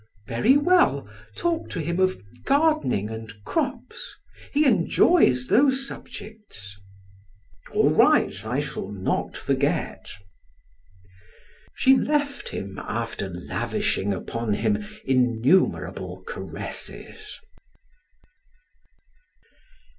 "Very well; talk to him of gardening and crops; he enjoys those subjects." "All right. I shall not forget." She left him, after lavishing upon him innumerable caresses.